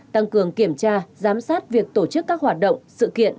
tăng cường kiểm tra giám sát việc tổ chức các hoạt động sự kiện